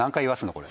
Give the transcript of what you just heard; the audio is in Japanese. これ。